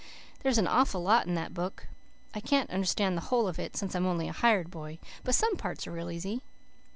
There's an awful lot in that book. I can't understand the whole of it, since I'm only a hired boy, but some parts are real easy.